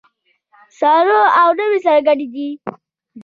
زاړه او نوي سره ګډ دي.